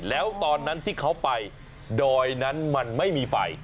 แล้วตอนนั้นที่เขาไปดอยนั้นมันไม่มีไฟ